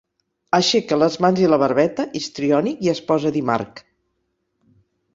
Aixeca les mans i la barbeta, histriònic, i es posa a dir March.